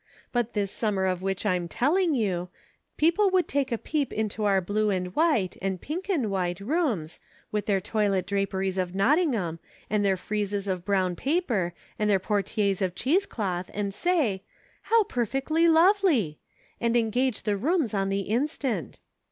But this summer of which I am telling you, people would take a peep into our blue and white, and pink and white, rooms, with their toilet draperies of Nottingham, and their friezes of brown paper, and their portieres of cheese cloth, and say, ' How perfectly lovely !' and engage the rooms on the instant.